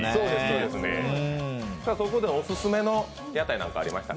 そこでオススメの屋台なんかありました？